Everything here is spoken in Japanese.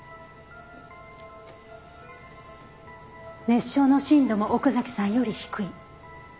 熱傷の深度も奥崎さんより低い。